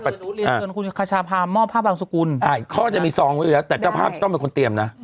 ทุเรียนคุณคชาพามอบภาพบางสกุลอ่านข้อจะมีซองไว้อยู่แล้วแต่เจ้าภาพจะต้องเป็นคนเตรียมนะ